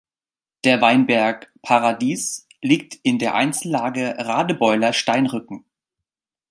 Der Weinberg "Paradies" liegt in der Einzellage Radebeuler Steinrücken.